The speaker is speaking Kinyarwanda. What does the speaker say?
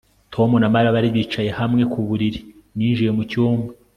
Tom na Mariya bari bicaye hamwe ku buriri ninjiye mu cyumba